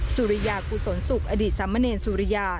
สุริยากุศลสุขอดีตสามเมรินสุริยา